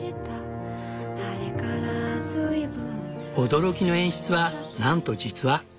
驚きの演出はなんと実話。